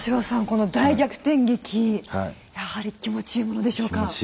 この大逆転劇やはり気持ちいいものでしょうか？